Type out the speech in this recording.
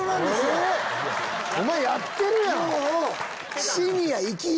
お前やってるやん！